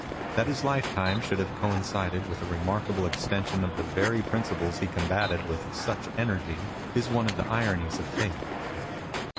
That his lifetime should have coin cided with a remarkable extension of the very principles he combated with such energy is one of the ironies of fate.